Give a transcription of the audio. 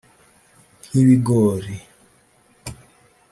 nk’bigori